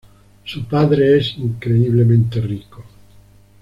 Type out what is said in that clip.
Su padre es increíblemente rico.